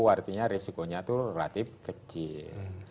artinya risikonya itu relatif kecil